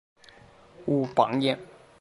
武榜眼。